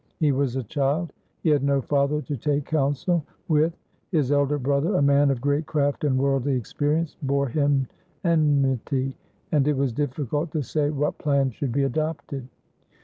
He was a child, he had no father to take counsel with, his elder brother, a man of great craft and worldly experience, bore him enmity, and it was difficult to say what plan should be adopted.